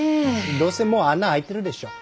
どうせもう穴開いてるでしょ？